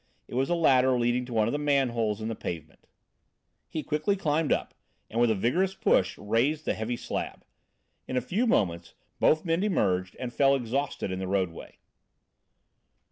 It was a ladder leading to one of the manholes in the pavement. He quickly climbed up and, with a vigorous push, raised the heavy slab. In a few moments both men emerged and fell exhausted in the roadway.